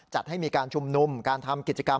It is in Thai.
จัดให้มีการชุมนุมการทำกิจกรรม